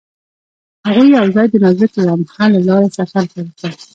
هغوی یوځای د نازک لمحه له لارې سفر پیل کړ.